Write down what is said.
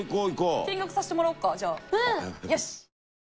見学させてもらおっかじゃあ。